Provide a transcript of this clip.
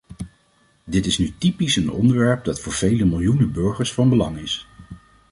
Dit is nu typisch een onderwerp dat voor vele miljoenen burgers van belang is.